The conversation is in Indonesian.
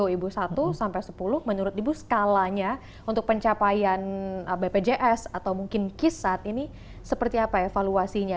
ibu satu sampai sepuluh menurut ibu skalanya untuk pencapaian bpjs atau mungkin kis saat ini seperti apa evaluasinya